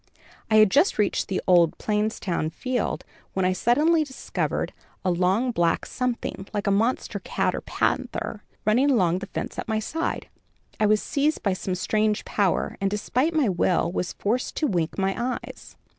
I had just reached the old Plaistowe field, when I suddenly discovered a long black something, like a monster cat or panther, running along the fence at my side. I was seized of some strange power and despite my will was forced to wink my eyes.